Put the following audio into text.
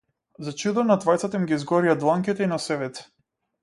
За чудо, на двајцата им ги изгорија дланките и носевите.